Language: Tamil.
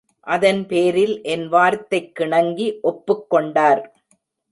அதன் பேரில் என் வார்த்தைக்கிணங்கி ஒப்புக் கொண்டார்.